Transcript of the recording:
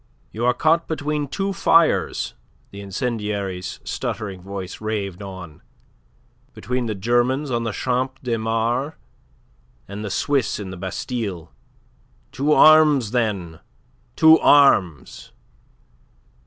"You are caught between two fires," the incendiary's stuttering voice raved on. "Between the Germans on the Champ de Mars and the Swiss in the Bastille. To arms, then! To arms!"